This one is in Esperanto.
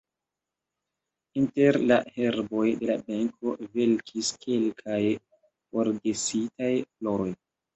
Inter la herboj de la benko velkis kelkaj forgesitaj floroj.